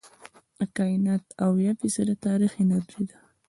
د کائنات اويا فیصده تاریک انرژي ده.